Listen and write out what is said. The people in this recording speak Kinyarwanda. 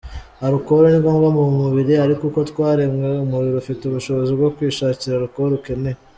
Arukoro ningombwa mu mubiri, ariko uko twaremwe umubiri ufite ubushobozi bwo kwishakira arukoro ukeneye”.